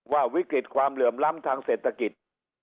วิกฤตความเหลื่อมล้ำทางเศรษฐกิจ